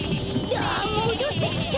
だあもどってきた！